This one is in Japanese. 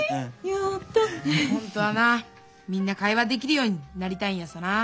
本当はなみんな会話できるようになりたいんやさな。